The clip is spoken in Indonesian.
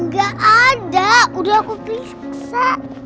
gak ada udah aku periksa